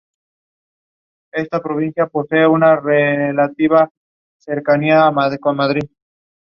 Es una prometedora diseñadora de modas con grandes ambiciones dentro de la industria.